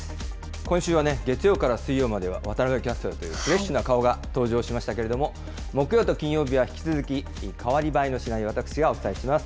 今週はね、月曜から水曜までは渡部キャスターというフレッシュな顔が登場しましたけれども、木曜と金曜日は引き続き代わり映えのしない私がお伝えします。